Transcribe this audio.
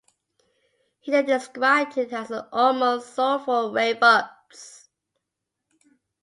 He then described it "as almost soulful rave-ups".